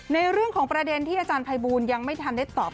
ในเรื่องของประเด็นที่อาจารย์ภัยบูลยังไม่ทันได้ตอบ